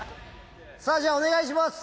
じゃあお願いします。